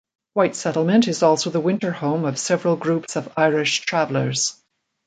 White Settlement is also the winter home of several groups of Irish Travellers.